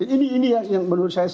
ini ini yang menurut saya sangat